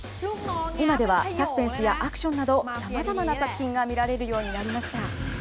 今ではサスペンスやアクションなど、さまざまな作品が見られるようになりました。